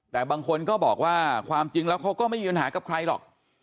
แต่บางคนก็บอกว่าความจริงแล้วเขาก็ไม่มีปัญหากับใครหรอก